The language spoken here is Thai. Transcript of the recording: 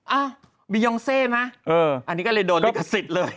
อ้าวมียองเซ่ไหมเอออันนี้ก็เลยโดนลิขสิทธิ์เลย